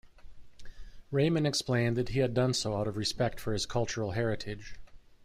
Rahmon explained that he had done so out of respect for his cultural heritage.